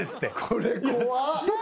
これ怖っ。